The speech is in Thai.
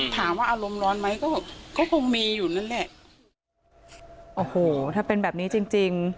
ถามว่าอารมณ์ร้อนไหมก็ก็คงมีอยู่นั่นแหละโอ้โหถ้าเป็นแบบนี้จริงจริง